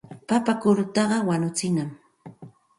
Papa kurutaqa wañuchinam.